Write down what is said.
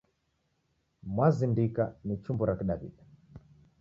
Mwazindika ni chumbo ra kidawida